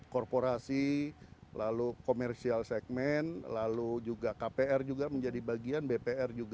korporasi lalu commercial segmen lalu juga kpr juga menjadi bagian bpr juga